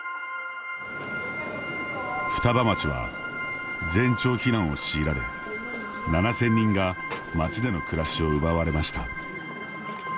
双葉町は全町避難を強いられ７０００人が町での暮らしを奪われました。